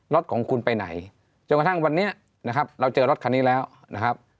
รถของคุณไปไหนจนกระทั่งวันนี้นะครับเราเจอรถคันนี้แล้วนะครับ